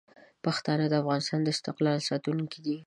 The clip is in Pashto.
پښتانه د افغانستان د استقلال ساتونکي دي.